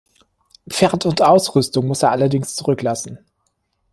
Pferd und Ausrüstung muss er allerdings zurücklassen.